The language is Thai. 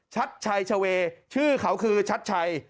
ชัดชัยชเวชื่อเขาคือชัดชัย